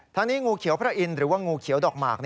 นี้งูเขียวพระอินทร์หรือว่างูเขียวดอกหมาก